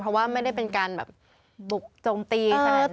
เพราะว่าไม่ได้เป็นการบุกจงตีขนาดนั้น